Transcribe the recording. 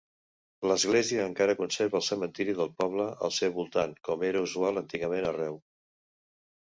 L'església encara conserva el cementiri del poble al seu voltant, com era usual antigament arreu.